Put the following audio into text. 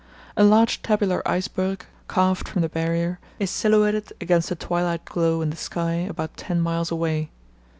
A large tabular iceberg, calved from the Barrier, is silhouetted against the twilight glow in the sky about ten miles away.